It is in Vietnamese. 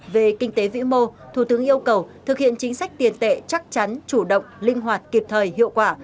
về kinh tế vĩ mô thủ tướng yêu cầu thực hiện chính sách tiền tệ chắc chắn chủ động linh hoạt kịp thời hiệu quả